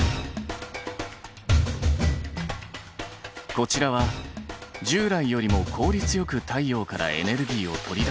こちらは従来よりも効率よく太陽からエネルギーを取り出す装置。